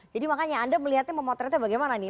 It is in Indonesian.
jadi makanya anda melihatnya memotretnya bagaimana nih